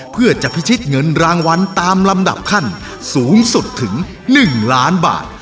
เพื่อจะพิชิตเงินรางวัลตามลำดับขั้นสูงสุดถึง๑ล้านบาท